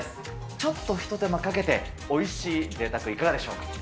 ちょっと一手間かけて、おいしいぜいたくいかがでしょうか。